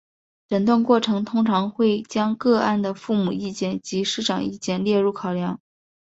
诊断过程通常会将个案的父母意见及师长意见列入考量。